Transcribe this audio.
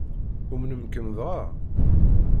Umnen-kem dɣa?